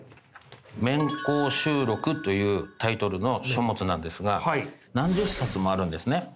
『綿考輯録』というタイトルの書物なんですが何十冊もあるんですね。